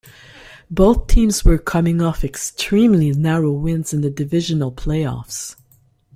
Both teams were coming off extremely narrow wins in the divisional playoffs.